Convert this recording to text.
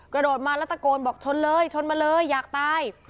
กระโดดมาแล้วตะโกนบอกชนเลยชนมาเลยอยากตาย